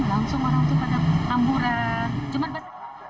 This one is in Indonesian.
langsung orang itu pada tamburan